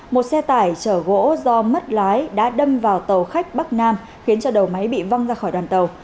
một xe tải chở gỗ do mất lái đã đâm vào tàu khách bắc nam khiến cho đầu máy bị văng ra khỏi đoàn tàu